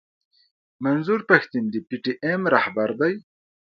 منظور پښتين د پي ټي ايم راهبر دی.